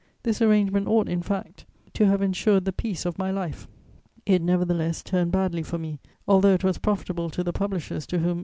This arrangement ought, in fact, to have ensured the peace of my life; it nevertheless turned badly for me, although it was profitable to the publishers to whom M.